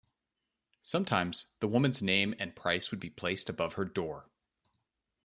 Sometimes the woman's name and price would be placed above her door.